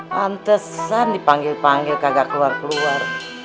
pantesan dipanggil panggil kagak keluar keluar